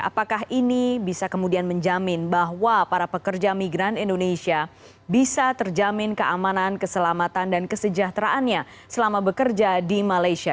apakah ini bisa kemudian menjamin bahwa para pekerja migran indonesia bisa terjamin keamanan keselamatan dan kesejahteraannya selama bekerja di malaysia